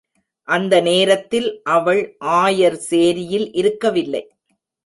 அந்த நேரத்தில் அவள் ஆயர் சேரியில் இருக்கவில்லை.